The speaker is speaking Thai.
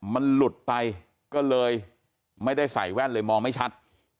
มันหลุดไปก็เลยไม่ได้ใส่แว่นเลยมองไม่ชัด